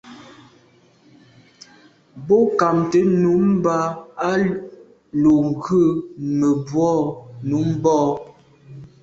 Bo ghamt’é nummb’a lo ghù numebwô num bo.